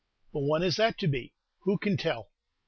But when is that to be? Who can tell?